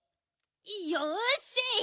よし！